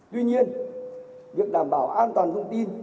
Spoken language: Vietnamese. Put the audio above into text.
tuy nhiên việc đảm bảo an toàn thông tin